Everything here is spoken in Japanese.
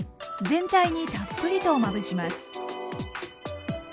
全体にたっぷりとまぶします。